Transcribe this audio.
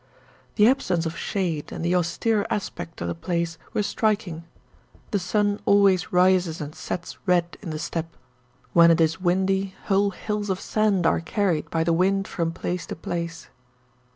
The absence of shade and the austere aspect of the place were striking. The sun always rises and sets red in the steppe. When it is windy whole hills of sand are carried by the wind from place to place.